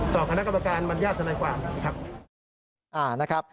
ต่อคณะกรรมการมัญญาติธนายความ